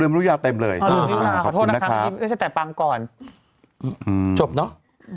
อ๋อลืมว่ายุราขอโทษนะครับไม่ใช่แต่ปังก่อนจบเนอะ